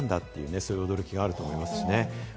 って、そういう驚きがあると思いますしね。